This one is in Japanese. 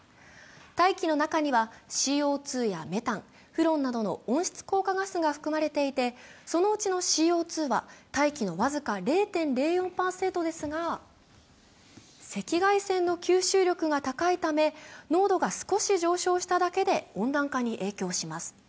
大気の中にはＣＯ２やメタン、フロンなどの温室効果ガスが含まれていてそのうちのＣＯ２は大気の僅か０．０４％ですが赤外線の吸収力が高いため、濃度が少し上昇しただけで温暖化に影響します。